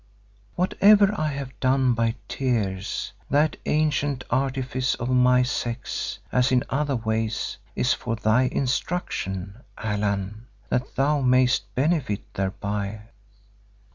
Whatever I have done by tears, that ancient artifice of my sex, as in other ways, is for thy instruction, Allan, that thou mayest benefit thereby."